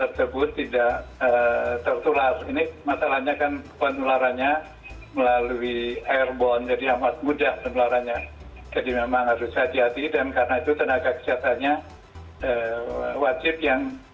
jadi memang harus hati hati dan karena itu tenaga kesehatannya wajib yang